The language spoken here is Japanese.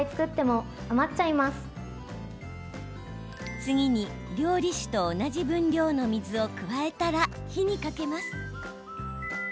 次に料理酒と同じ分量の水を加えたら、火にかけます。